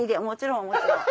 もちろん。